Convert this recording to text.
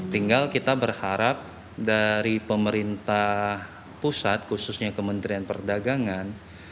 tinggal kita berharap dari pemerintah pusat khususnya kementerian perdagangan